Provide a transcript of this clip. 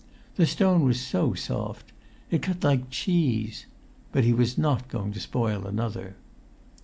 The stone was so soft. It cut like cheese. But he was not going to spoil another.